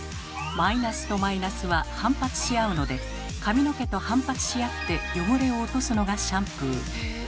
マイナスとマイナスは反発し合うので髪の毛と反発し合って汚れを落とすのがシャンプー。